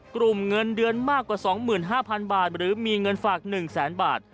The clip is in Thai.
เงินเดือนมากกว่า๒๕๐๐๐บาทหรือมีเงินฝาก๑แสนบาท